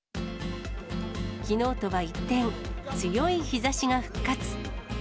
きのうとは一転、強い日ざしが復活。